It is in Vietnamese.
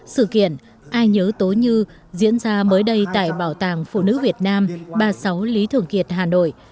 sự kiện ai nhớ tối như diễn ra mới đây tại bảo tàng phụ nữ việt nam ba mươi sáu lý thường kiệt hà nội